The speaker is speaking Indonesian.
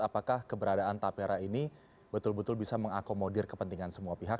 apakah keberadaan tapera ini betul betul bisa mengakomodir kepentingan semua pihak